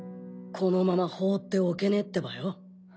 このまま放っておけねえってばよ。